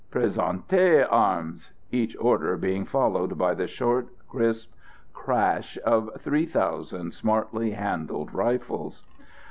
"Presentez armes!" each order being followed by the short, crisp "crash!" of three thousand smartly handled rifles.